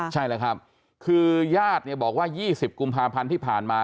ใช่แหละครับคือญาติเนี่ยบอกว่ายี่สิบกุมภาพันธ์ที่ผ่านมา